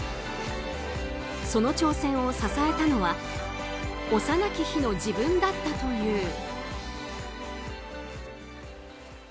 その挑戦を支えたのは幼き日の自分だったという。